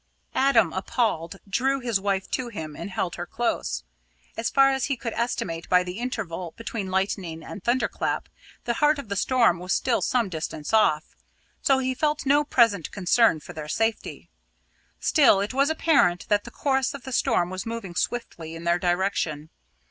Adam, appalled, drew his wife to him and held her close. As far as he could estimate by the interval between lightning and thunder clap, the heart of the storm was still some distance off, so he felt no present concern for their safety. Still, it was apparent that the course of the storm was moving swiftly in their direction.